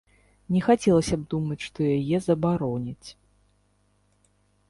Не хацелася б думаць, што яе забароняць.